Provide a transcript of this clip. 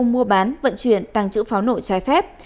mua bán vận chuyển tàng trữ pháo nội trái phép